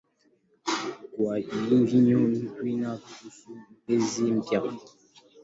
Kwa hivyo huitwa kasuku-mapenzi pia.